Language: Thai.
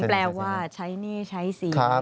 แปลว่าใช้หนี้ใช้สิน